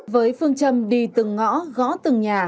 với phương châm đi từng ngõ gõ từng nhà